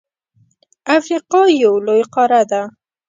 افریقا یو لوی قاره ده.